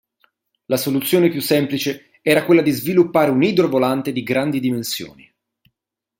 La soluzione più semplice era quella di sviluppare un idrovolante di grandi dimensioni.